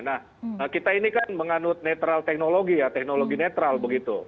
nah kita ini kan menganut netral teknologi ya teknologi netral begitu